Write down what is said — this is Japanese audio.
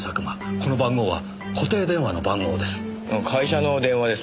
この番号は固定電話の番号です。